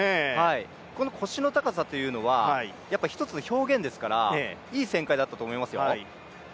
この腰の高さというのは、１つの表現ですから、いい旋回だったと思いますよ。